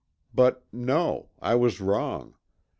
But, no, I was wrong.